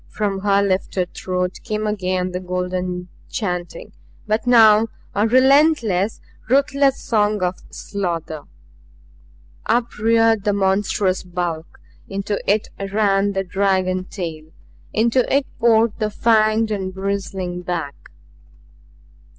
From her lifted throat came again the golden chanting but now a relentless, ruthless song of slaughter. Up reared the monstrous bulk. Into it ran the dragon tail. Into it poured the fanged and bristling back.